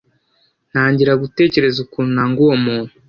Ntangira gutekereza ukuntu nanga uwo muntu.